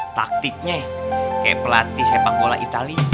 taktiknya kayak pelatih sepak bola itali